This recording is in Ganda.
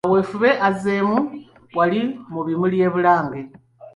Kaweefube azeemu wali mu bimuli bya Bulange